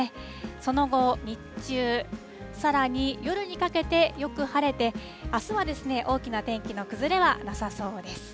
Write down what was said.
その後、日中、さらに夜にかけてよく晴れて、あすは大きな天気の崩れはなさそうです。